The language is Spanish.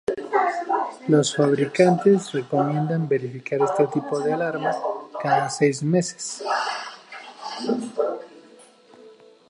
Los fabricantes recomiendan verificar este tipo de alarma cada seis meses.